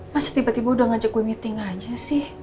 masa tiba tiba udah ngajak gue meeting aja sih